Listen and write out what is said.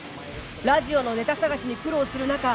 ラジオのネタ探しに苦労する中